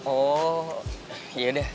oh ya udah